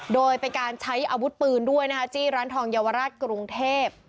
โดยเป็นการใช้อาวุธปืนด้วยนะคะจี้ร้านทองเยาวราชกรุงเทพ